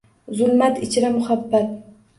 Zulmat ichra muhabbat